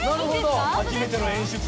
初めての演出を。